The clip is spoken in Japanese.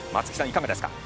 いかがですか？